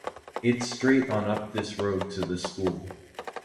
It's straight on up this road to the school.